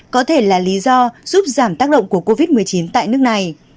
có thể là lý do giúp giảm tác động của covid một mươi chín tại nước này